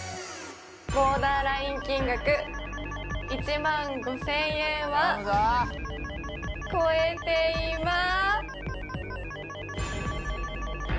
ボーダーライン金額１万５０００円は超えています！